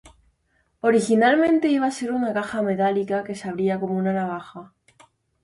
Originalmente iba a ser una caja metálica que se abría como una navaja.